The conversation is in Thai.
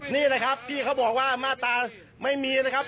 นี่ล่ะครับบางทีเขาบอกว่ามาตาไม่มีนะครับ